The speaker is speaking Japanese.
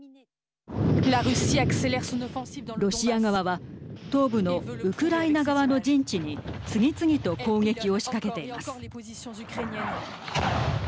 ロシア側は東部のウクライナ側の陣地に次々と攻撃を仕掛けています。